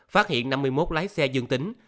phát hiện năm mươi một lái xe dương tính